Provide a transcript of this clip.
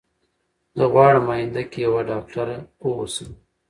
زه غواړم اينده کي يوه ډاکتره اوسم